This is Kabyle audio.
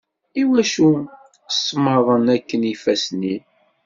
Iwacu smaḍen akken yifassen-im?